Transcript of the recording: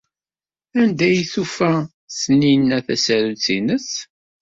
Anda ay d-tufa Taninna tasarut-nnes?